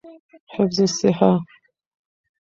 حفظی الصیحه